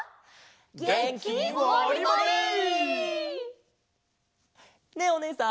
げんきモリモリ！ねえおねえさん。